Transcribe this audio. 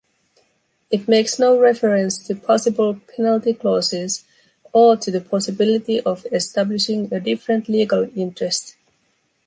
It makes no reference to possible penalty clauses or to the possibility of establishing a different legal interest.